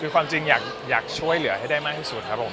คือความจริงอยากช่วยเหลือให้ได้มากที่สุดครับผม